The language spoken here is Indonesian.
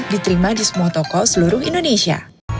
diterima di semua toko seluruh indonesia